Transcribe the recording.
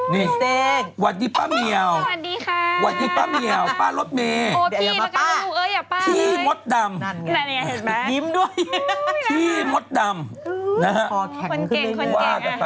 นี่วัดดีป้าเมียวป้ารถเมย์พี่มดดำนิ้มด้วยขอแข็งขึ้นมานิดนึง